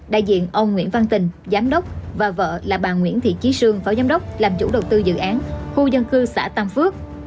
đại diện ông nguyễn văn tình giám đốc và vợ là bà nguyễn thị trí sương phó giám đốc làm chủ đầu tư dự án khu dân cư xã tam phước